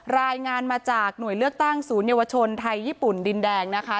รายงานมาจากหน่วยเลือกตั้งศูนยวชนไทยญี่ปุ่นดินแดงนะคะ